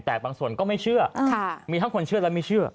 แต่บางส่วนก็ไม่เชื่อมีทั้งคนเชื่อและไม่เชื่อ